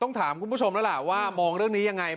ต้องถามคุณผู้ชมแล้วล่ะว่ามองเรื่องนี้ยังไง